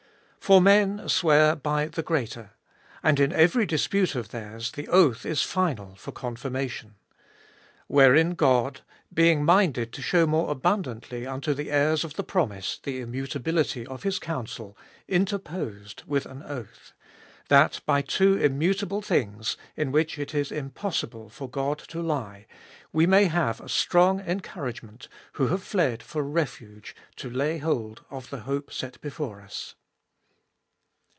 For men swear by the greater: and in every dispute of theirs the oath is final for confirmation. 17. Wherein God, being minded to shew more abundantly unto the heirs of the promise the immutability of his counsel, interposed1 with an oath: 18. That by two immutable things, in which it is impossible for God to lie, we may have a strong encouragement, who have fled for refuge to lay hold of the hope set before us.